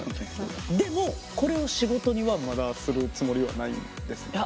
でもこれを仕事にはまだするつもりはないんですかね？